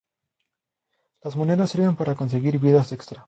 Las monedas sirven para conseguir vidas extra.